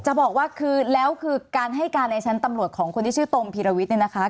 จะบอกว่าคือแล้วคือการให้การในชั้นตำรวจของคนที่ชื่อตรงพีรวิทย์เนี่ยนะคะ